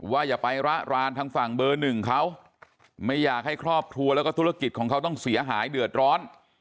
อย่าไประรานทางฝั่งเบอร์หนึ่งเขาไม่อยากให้ครอบครัวแล้วก็ธุรกิจของเขาต้องเสียหายเดือดร้อน